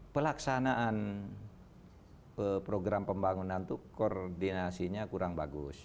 pelaksanaan program pembangunan itu koordinasinya kurang bagus